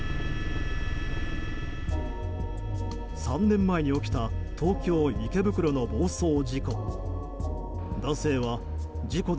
３年前に起きた東京・池袋の暴走事故。